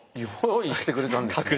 用意してくれたんですね。